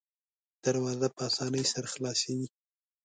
دروازه په اسانۍ سره خلاصیږي.